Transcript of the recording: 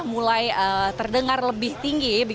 mulai terdengar lebih tinggi